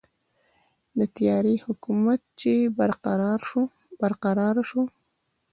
د تیارې حکومت چې برقراره شو.